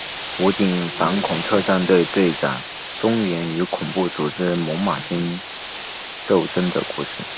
武警反恐特战队队长钟原与恐怖组织猛玛军斗争的故事。